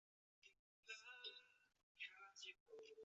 你才十二岁，你懂什么炒股？